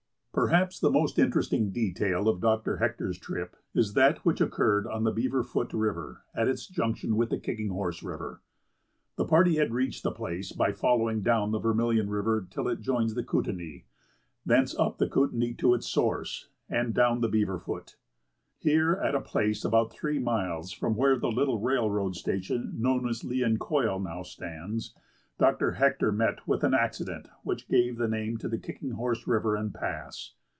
Perhaps the most interesting detail of Dr. Hector's trip is that which occurred on the Beaverfoot River, at its junction with the Kicking Horse River. The party had reached the place by following down the Vermilion River till it joins the Kootanie, thence up the Kootanie to its source, and down the Beaverfoot. Here, at a place about three miles from where the little railroad station known as Leanchoil now stands, Dr. Hector met with an accident which gave the name to the Kicking Horse River and Pass.